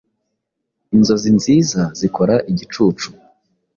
Inzozi nziza zikora igicucu,